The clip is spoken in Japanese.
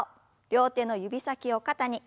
両手の指先を肩に。